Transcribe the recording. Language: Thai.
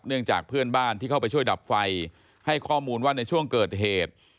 จากเพื่อนบ้านที่เข้าไปช่วยดับไฟให้ข้อมูลว่าในช่วงเกิดเหตุ